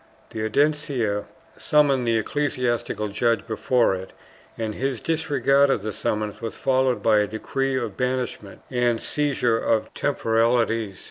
The Audiencia summoned the ecclesiastical judge before it and his disregard of the summons was followed by a decree of banishment and seizure of temporalities.